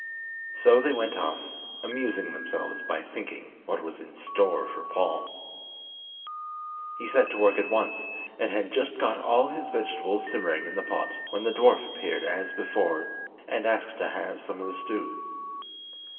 So they went off, amusing themselves by thinking what was in store for Paul. He set to work at once, and had just got all his vegetables simmering in the pot when the dwarf appeared as before, and asked to have some of the stew.